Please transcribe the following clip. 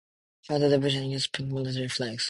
Panzer divisions used pink military flags.